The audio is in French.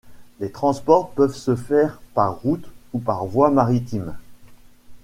Les transports peuvent se faire par route ou par voie maritime.